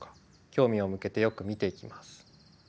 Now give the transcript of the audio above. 興味を向けてよく見ていきます。